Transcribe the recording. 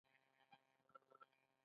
د ژبې انعطاف د هغې د بقا راز دی.